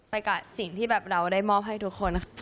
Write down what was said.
กับสิ่งที่แบบเราได้มอบให้ทุกคน